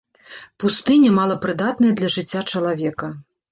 Пустыня, малапрыдатная для жыцця чалавека.